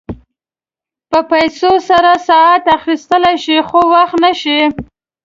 په پیسو سره ساعت اخيستلی شې خو وخت نه شې.